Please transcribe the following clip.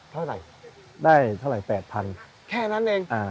เท่าไหร่ได้เท่าไหร่แปดพันแค่นั้นเองอ่า